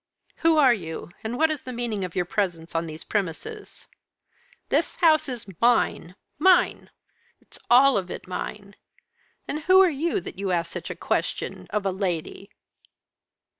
"Who are you, and what is the meaning of your presence on these premises?" "This house is mine mine! It's all of it mine! And who are you, that you ask such a question of a lady?"